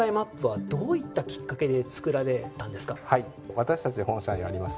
私たちの本社があります